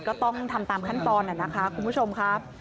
ก็ต้องทำตามขั้นตอนนะคะคุณผู้ชมครับ